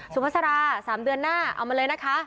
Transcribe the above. สุภาษา๓เดือนหน้าเอามาเลยนะคะ